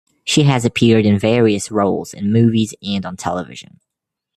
She has appeared in various roles in movies and on television.